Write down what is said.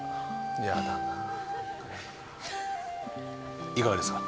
いかがですか？